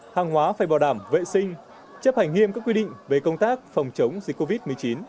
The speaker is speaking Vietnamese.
hàng hóa phải bảo đảm vệ sinh chấp hành nghiêm các quy định về công tác phòng chống dịch covid một mươi chín